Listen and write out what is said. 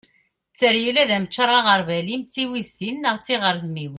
tteryel ad am-d-ččareγ aγerbal-im d tiwiztin neγ tiγredmiwin